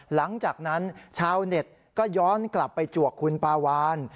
หลังจากนั้นชาวเน็ตก็ย้อนกลับไปจวกคุณปาวาน